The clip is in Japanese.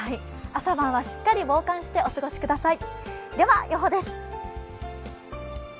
朝晩は、しっかり防寒してお過ごしください。